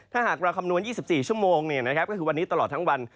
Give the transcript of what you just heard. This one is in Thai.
ถ้าหากเราคำนวณ๒๔ชั่วโมงก็คือวันนี้ตลอดทั้งวัน